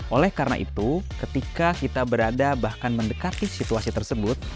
oleh karena itu ketika kita berada bahkan mendekati situasi tersebut